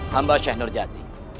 hamba seh nurjad